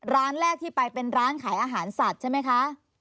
ร้านแรกที่ไปเป็นร้านขายอาหารสัตว์ใช่ไหมคะ